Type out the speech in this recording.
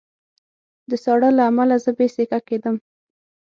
د ساړه له امله زه بې سېکه کېدم